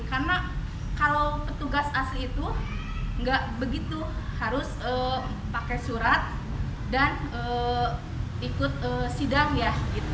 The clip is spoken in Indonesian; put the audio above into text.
karena kalau petugas asli itu tidak begitu harus pakai surat dan ikut sidang ya